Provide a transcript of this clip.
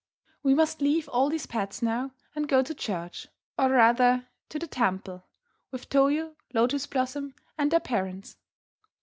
We must leave all these pets now and go to church, or rather to the temple, with Toyo, Lotus Blossom, and their parents.